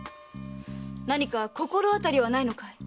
何か心当たりはないのかい？